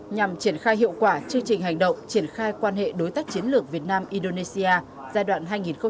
nhằm triển khai hiệu quả chương trình hành động triển khai quan hệ đối tác chiến lược việt nam indonesia giai đoạn hai nghìn một mươi chín hai nghìn hai mươi